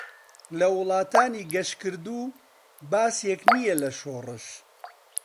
لە ولاتانی گەشکردو باسێك نییە لە شۆرش.